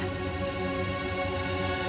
cantik sekali kamu ranti dengan kebaya itu